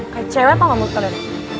kayak cewek tau gak menurut kalian